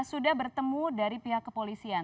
sudah bertemu dari pihak kepolisian